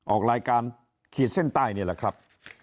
ออกรายการขีดเส้นใต้นี่แหละครับ